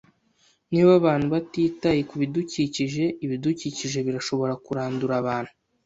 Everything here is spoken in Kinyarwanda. Niba abantu batitaye kubidukikije, ibidukikije birashobora kurandura abantu